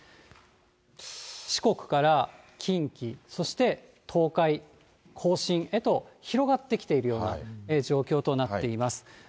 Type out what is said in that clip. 四国から近畿、そして東海、甲信へと広がってきているような状況となっています。